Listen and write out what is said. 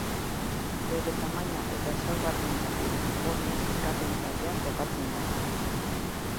Bere tamaina eta ezaugarriengatik ponien sailkapen taldean kokatzen da da.